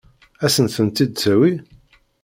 Ad sent-tent-id-tawi?